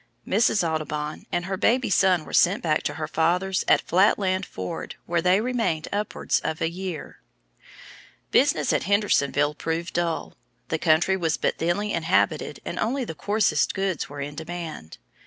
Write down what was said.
Mrs. Audubon and her baby son were sent back to her father's at Fatland Ford where they remained upwards of a year. Business at Hendersonville proved dull; the country was but thinly inhabited and only the coarsest goods were in demand.